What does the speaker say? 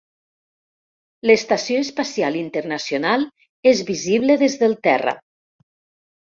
L'estació espacial internacional és visible des del terra.